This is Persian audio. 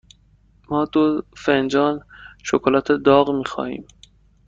ما دو فنجان شکلات داغ می خواهیم.